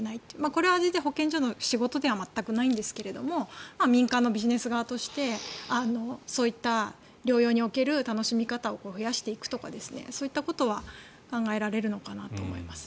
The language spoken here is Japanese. これは全然、保健所の仕事では全くないんですが民間のビジネス側としてそういった療養における楽しみ方を増やしていくとかそういったことは考えられるのかなと思います。